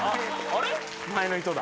前の人だ。